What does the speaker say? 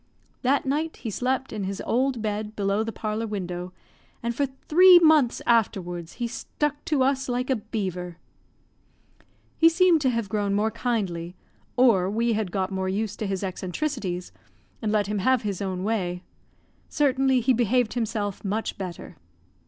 That night he slept in his old bed below the parlour window, and for three months afterwards he stuck to us like a beaver. He seemed to have grown more kindly, or we had got more used to his eccentricities, and let him have his own way; certainly he behaved himself much better.